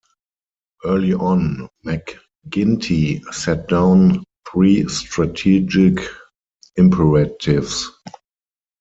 Early on, McGuinty set down three strategic imperatives.